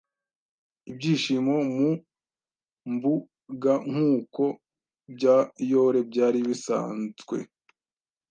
Ibyishimo mu mbugankuko bya yore byari bisanzwe